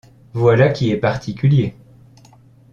Voilà qui est particulier !